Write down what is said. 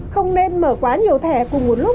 không nên mở quá nhiều thẻ cùng một lúc